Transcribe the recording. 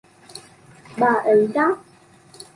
bà ấy đáp